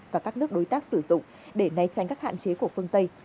và các nước đối tác sử dụng để né tránh các hạn chế của phương tây